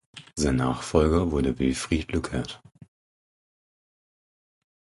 Sein Nachfolger wurde Wilfried Lückert.